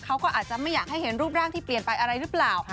เขาก็อาจจะไม่อยากให้เห็นรูปร่างที่เปลี่ยนไปอะไรหรือเปล่า